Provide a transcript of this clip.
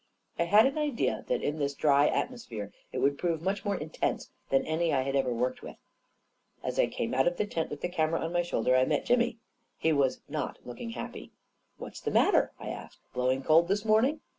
I had an idea that in this dry atmosphere it would prove much more intense than any I had ever worked with. As I came out of the tent, with the camera on my shoulder, I met Jimmy. He was not looking happy. t i 11 A KING IN BABYLON 143 " What's the matter? " I asked. " Blowing cold this morning?"